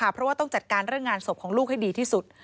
เพราะว่าต้องจัดการเรื่องงานศพของลูกให้ดีที่สุด